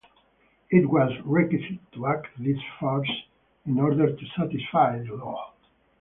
It was requisite to act this farce in order to satisfy the law.